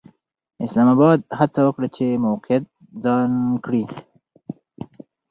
اسلام اباد هڅه وکړه چې موقعیت ځان کړي.